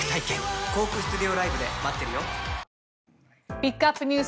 ピックアップＮＥＷＳ